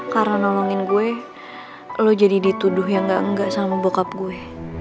karena nolongin gue lo jadi dituduh yang gak enggak sama bokap gue